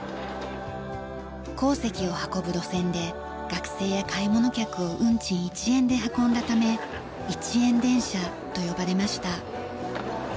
鉱石を運ぶ路線で学生や買い物客を運賃１円で運んだため一円電車と呼ばれました。